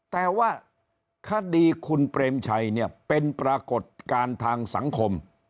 แต่ว่าคดีคุณเปรมชัยเนี่ยเป็นปรากฏการณ์ทางสังคม